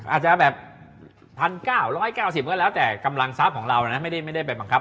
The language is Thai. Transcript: อาจจะแบบ๑๙๑๙๐ก็แล้วแต่กำลังทรัพย์ของเรานะไม่ได้ไปบังคับ